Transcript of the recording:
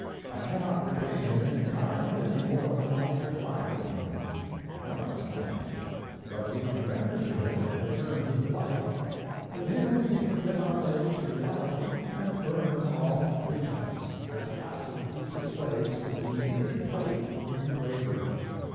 I cannot repay him in kind any more than I could rival him. None of us can. But we can render to him a return he would like. With him we can get our way to reality and burn off pretense, as acid eats its way to the denuded plate of the engraver.